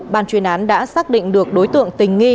ban chuyên án đã xác định được đối tượng tình nghi